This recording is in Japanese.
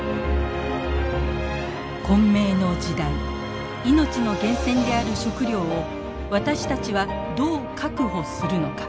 混迷の時代命の源泉である食料を私たちはどう確保するのか。